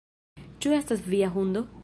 "Ĉu estas via hundo?"